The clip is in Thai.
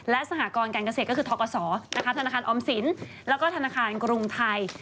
และสหกรการเกษตรก็คือทกศธนาคารออมสินแล้วก็ธนาคารกรุงไทย